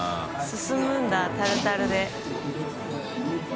進むんだタルタルで。